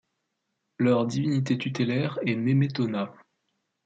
Leur divinité tutélaire est Nemetona.